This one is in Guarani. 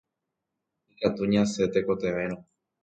Ikatu ñasẽ tekotevẽrõ.